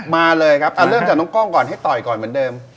มาเลยครับเริ่มจากน้องกล้องก่อนให้ต่อยก่อนเหมือนเดิม